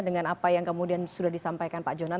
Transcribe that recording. dengan apa yang kemudian sudah disampaikan pak jonan